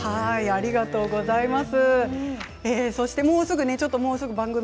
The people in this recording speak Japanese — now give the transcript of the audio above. ありがとうございます。